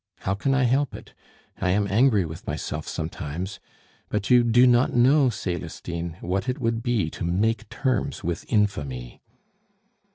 How can I help it? I am angry with myself sometimes; but you do not know, Celestine, what it would be to make terms with infamy."